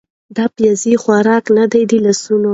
دا بېځايه خوارۍ نه دي د لاسونو